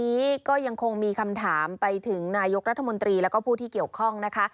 วันนี้ก็ยังคงมีคำถามไปถึงนายกรัฐมนตรีแล้วก็ผู้ที่เกี่ยวข้องนะคะ